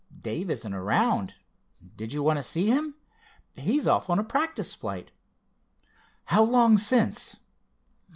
"Dave isn't around. Did you want to see him? He's off on a practice flight." "How long since?"